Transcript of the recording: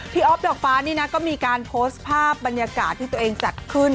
ออฟดอกฟ้านี่นะก็มีการโพสต์ภาพบรรยากาศที่ตัวเองจัดขึ้น